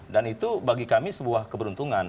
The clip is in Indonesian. dan itu bagi kami sebuah keberuntungan